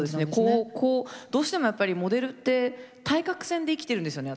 こうこうどうしてもやっぱりモデルって対角線で生きてるんですよね